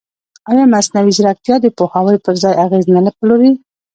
ایا مصنوعي ځیرکتیا د پوهاوي پر ځای اغېز نه پلوري؟